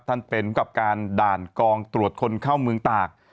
ท่านเป็นผู้กับการด่านกองตรวจคนเข้าเมืองตาก